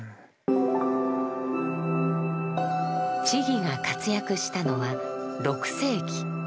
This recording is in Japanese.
智が活躍したのは６世紀。